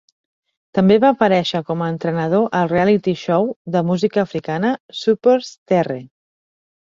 També va aparèixer com a entrenador al "reality show" de música africana "Supersterre".